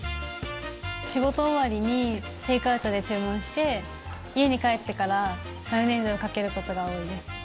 仕事終わりにテイクアウトで注文して家に帰ってからマヨネーズをかけることが多いです。